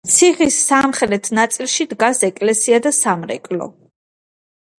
ციხის სამხრეთ ნაწილში დგას ეკლესია და სამრეკლო.